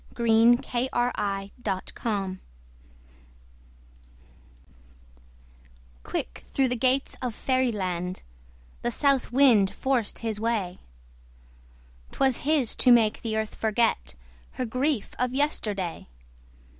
PART II. OUT OF DOORS Early Spring Quick through the gates of Fairyland The South Wind forced his way. 'Twas his to make the Earth forget Her grief of yesterday.